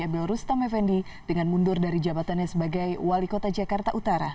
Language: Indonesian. ebel rustam effendi dengan mundur dari jabatannya sebagai wali kota jakarta utara